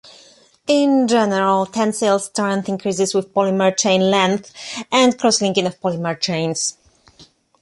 In general, tensile strength increases with polymer chain length and crosslinking of polymer chains.